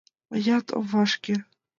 Мыят ом вашке.